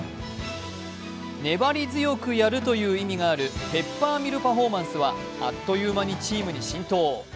粘り強くやるという意味があるペッパーミルパフォーマンスはあっという間にチームに浸透。